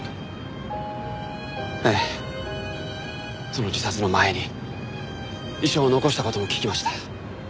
その自殺の前に遺書を残した事も聞きました。